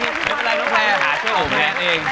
ไม่เป็นไรน้องแพร่ช่วยโอ้แพร่เอง